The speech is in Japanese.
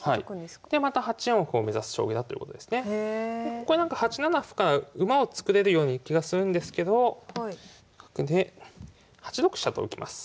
ここに８七歩から馬を作れるような気がするんですけど８六飛車と受けます。